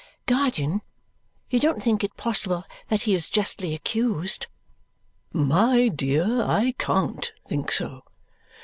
"Guardian, you don't think it possible that he is justly accused?" "My dear, I CAN'T think so.